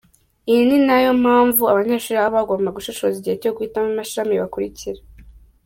Iyo ni nayo mpamvu abanyeshuri baba bagomba gushishoza igihe cyo guhitamo amashami bakurikira.